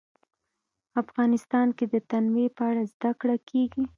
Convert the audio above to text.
افغانستان کې د تنوع په اړه زده کړه کېږي.